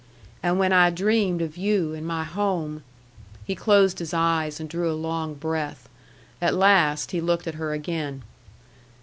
And when I dreamed of you in my home " he closed his eyes and drew a long breath. At last he looked at her again.